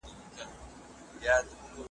له اسمانه مي راغلی بیرغ غواړم .